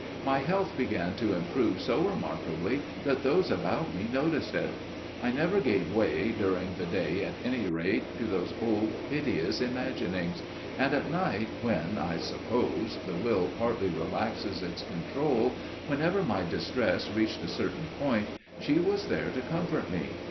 My health began to improve so remarkably that those about me noticed it. I never gave way, during the day at any rate, to those old piteous imaginings; and at night, when, I suppose, the will partly relaxes its control, whenever my distress reached a certain point, she was there to comfort me.